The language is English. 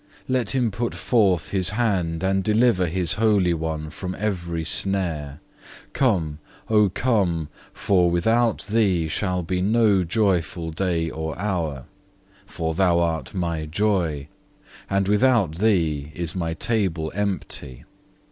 Let Him put forth His hand, and deliver His holy one from every snare. Come, Oh come; for without Thee shall be no joyful day or hour, for Thou art my joy, and without Thee is my table empty.